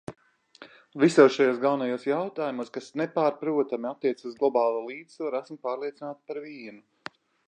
Visos šajos galvenajos jautājumos, kas nepārprotami attiecas uz globālo līdzsvaru, esmu pārliecināta par vienu.